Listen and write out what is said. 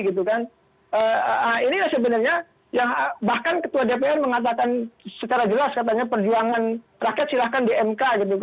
ini sebenarnya bahkan ketua dpr mengatakan secara jelas katanya perjuangan rakyat silahkan di mk